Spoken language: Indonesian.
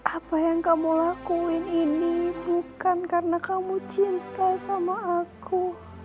apa yang kamu lakuin ini bukan karena kamu cinta sama aku